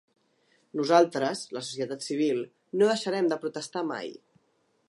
Nosaltres, la societat civil, no deixarem de protestar mai.